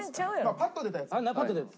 パッと出たやつ。